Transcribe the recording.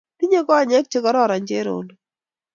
Tinyei konyek chegororon Cherono